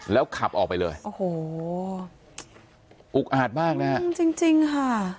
แล้วขับออกไปเลยโอ้โหอุกอาจมากนะฮะจริงจริงค่ะ